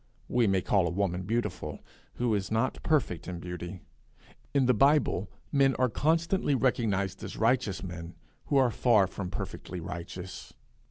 We may call a woman beautiful who is not perfect in beauty; in the Bible men are constantly recognized as righteous men who are far from perfectly righteous.